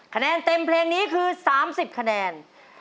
คะแนนเต็มเพลงนี้คือ๓๐คะแนน